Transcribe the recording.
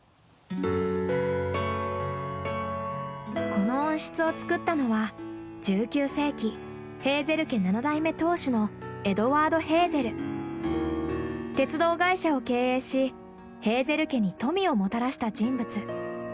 この温室を作ったのは１９世紀ヘーゼル家鉄道会社を経営しヘーゼル家に富をもたらした人物。